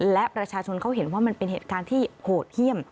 และประชาชนเขาเห็นว่ามันเป็นเหตุการณ์ที่โหดเยี่ยม